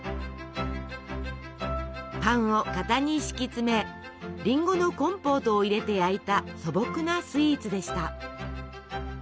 パンを型に敷き詰めりんごのコンポートを入れて焼いた素朴なスイーツでした。